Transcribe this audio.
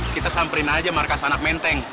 kita samperin aja markas anak menteng